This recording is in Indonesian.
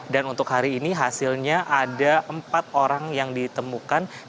dan untuk hari ini hasilnya ada empat orang yang ditemukan